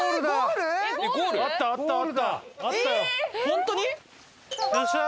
本当に？